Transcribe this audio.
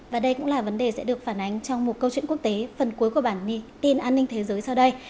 và đây cũng là vấn đề sẽ được phản ánh trong một câu chuyện quốc tế phần cuối của bản tin an ninh thế giới sau đây